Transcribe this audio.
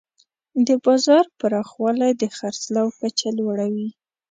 د بازار پراخوالی د خرڅلاو کچه لوړوي.